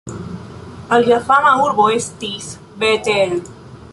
Alia fama urbo estis Bet-El.